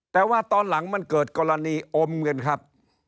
แต่ว่าตอนหลังมันเกิดกรณีอมกันครับ